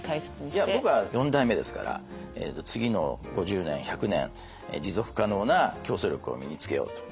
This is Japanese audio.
いや僕は４代目ですから次の５０年１００年持続可能な競争力を身につけようと。